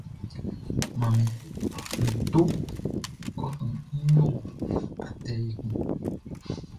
Manmi, nʼto kɔkun nʼyo atɛ ekun.